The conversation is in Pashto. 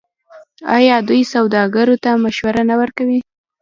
آیا دوی سوداګرو ته مشورې نه ورکوي؟